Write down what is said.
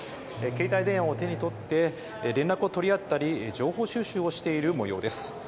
携帯電話を手に取って、連絡を取り合ったり、情報収集をしているもようです。